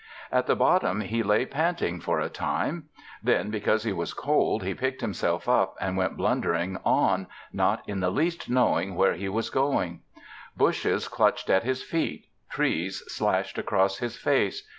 At the bottom he lay panting for a time; then, because he was cold he picked himself up and went blundering on, not in the least knowing where he was going. Bushes clutched at his feet. Trees slashed across his face.